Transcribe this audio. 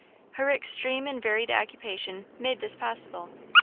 Her extreme and varied occupation made this possible.